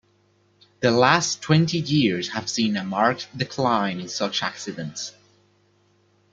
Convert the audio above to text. The last twenty years have seen a marked decline in such accidents.